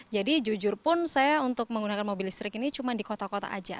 jadi jujur pun saya untuk menggunakan mobil listrik ini cuma di kota kota aja